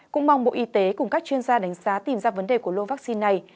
cũng mong bộ y tế cùng các chuyên gia đánh giá tìm ra vấn đề của lô vaccine này